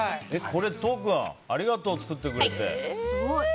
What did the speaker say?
これ、都央君ありがとう、作ってくれて。